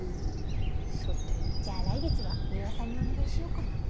じゃあ来月はミワさんにお願いしようかな。